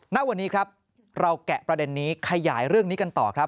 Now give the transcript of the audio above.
ณวันนี้ครับเราแกะประเด็นนี้ขยายเรื่องนี้กันต่อครับ